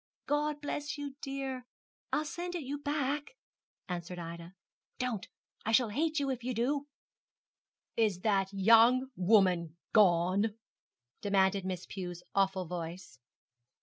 'God bless you, dear. I'll send it you back,' answered Ida. 'Don't; I shall hate you if you do.' 'Is that young woman gone?' demanded Miss Pew's awful voice.